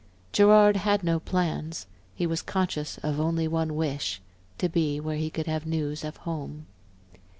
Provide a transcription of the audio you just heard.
Gerard had no plans; he was conscious of only one wish to be where he could have news of home.